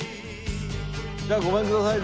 じゃあごめんください